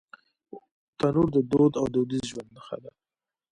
تنور د دود او دودیز ژوند نښه ده